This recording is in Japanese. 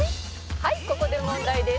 「はいここで問題です」